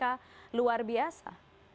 sangat luar biasa